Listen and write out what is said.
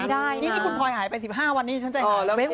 ไม่ได้นะนี่คุณพลอยหายไป๑๕วันนี้ฉันใจหาย